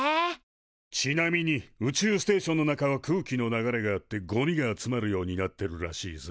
ちなみに宇宙ステーションの中は空気の流れがあってゴミが集まるようになってるらしいぜ。